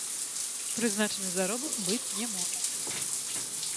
Прызначаны заробак быць не можа.